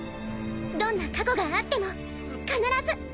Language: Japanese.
どんな過去があっても必ず！